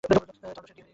তাও দোষের হয়ে গেল?